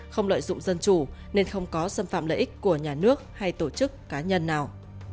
không lợi dụng dân chủ nên không có xâm phạm lợi ích của nhà nước hay tổ chức cá nhân nào